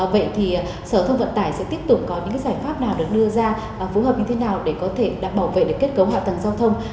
vậy thì sở thông vận tải sẽ tiếp tục có những giải pháp nào được đưa ra phù hợp như thế nào để có thể bảo vệ được kết cấu hạ tầng giao thông